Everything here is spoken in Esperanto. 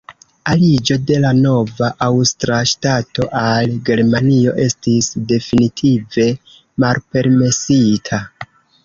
Aliĝo de la nova aŭstra ŝtato al Germanio estis definitive malpermesita.